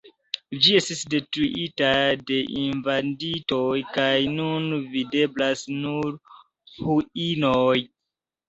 Ĝi estis detruita de invadintoj, kaj nun videblas nur ruinoj.